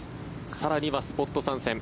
更にはスポット参戦